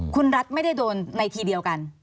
คุณรัฐไม่ได้โดนในทีเดียวกัน